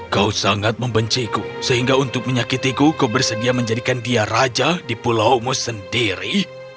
kau sangat membenciku sehingga untuk menyakitiku kau bersedia menjadikan dia raja di pulaumu sendiri